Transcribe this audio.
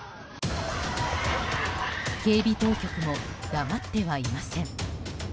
警備当局も黙ってはいません。